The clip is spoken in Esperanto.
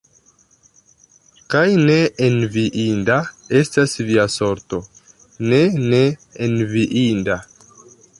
Kaj ne enviinda estas via sorto, ne, ne enviinda!